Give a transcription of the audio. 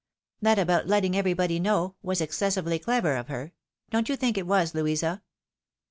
That about letting everybody know, was excessively clever of her. Don't you think it was, Louisa